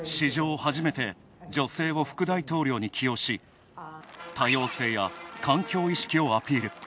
初めて女性を副大統領に起用し多様性や環境意識をアピール。